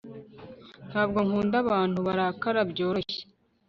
Ntabwo nkunda abantu barakara byoroshye